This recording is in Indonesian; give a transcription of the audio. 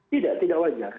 tidak tidak wajar